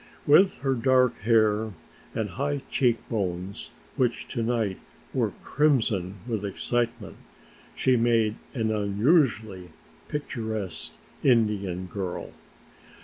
With her dark hair and high cheek bones, which to night were crimson with excitement, she made an unusually picturesque Indian girl.